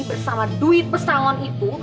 bersama duit pestangon itu